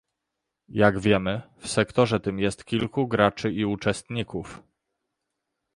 Jak wiemy, w sektorze tym jest kilku graczy i uczestników